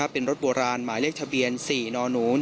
เป็นรถโบราณหมายเลขทะเบียน๔นหนู